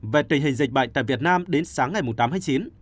về tình hình dịch bệnh tại việt nam đến sáng ngày tám tháng chín